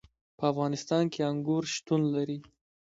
په افغانستان کې انګور شتون لري.